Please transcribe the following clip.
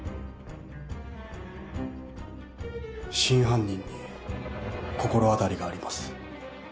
真犯人に心当たりがあります。